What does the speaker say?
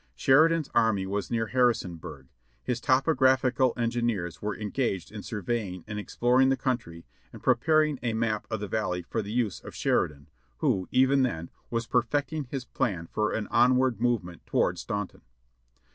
Sheridan's army was near Harrisonburg; his topographical engineers were engaged in surveying and exploring the country and preparing a map of the Valley for the use of Sheridan, who, even then, was perfecting his plan for an onward movement toward Staunton.